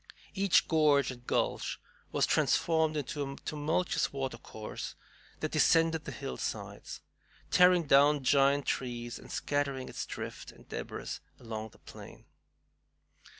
Each gorge and gulch was transformed into a tumultuous watercourse that descended the hillsides, tearing down giant trees and scattering its drift and debris along the plain.